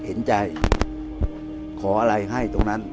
เห็นใจขออะไรให้ตรงนั้น